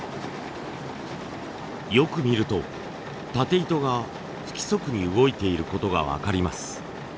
よく見るとタテ糸が不規則に動いていることが分かります。